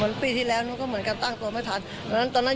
พูดสิทธิ์ข่าวธรรมดาทีวีรายงานสดจากโรงพยาบาลพระนครศรีอยุธยาครับ